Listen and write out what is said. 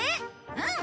うん。